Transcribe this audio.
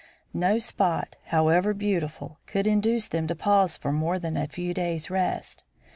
No spot, however beautiful, could induce them to pause for more than a few days' rest.